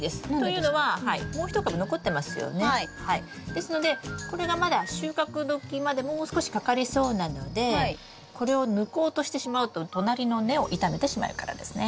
ですのでこれがまだ収穫時までもう少しかかりそうなのでこれを抜こうとしてしまうと隣の根を傷めてしまうからですね。